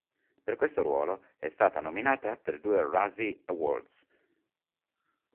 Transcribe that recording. Per questo ruolo, è stata nominata per due Razzie Awards.